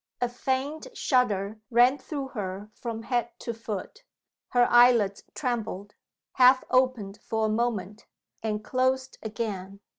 A faint shudder ran through her from head to foot her eyelids trembled half opened for a moment and closed again.